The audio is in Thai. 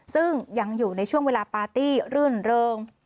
ซึ่งยังอยู่ในช่วงเวลาปาร์ตี้รื่นเริง